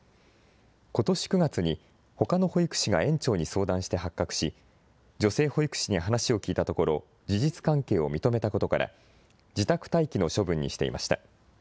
ことし９月に、ほかの保育士が園長に相談して発覚し、女性保育士に話を聞いたところ、事実関係を認めたことから、自宅待機の処分にしていました。